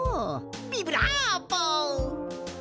ビブラーボ！